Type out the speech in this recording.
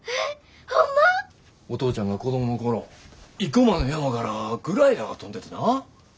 お父ちゃんが子供の頃生駒の山からグライダーが飛んでてな。